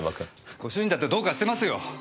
ご主人だってどうかしてますよ。